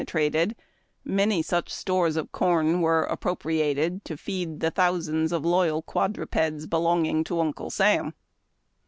trated, many such stores of corn were appropriated to feed the thousands of loyal quadrupeds belonging to Uncle Sam.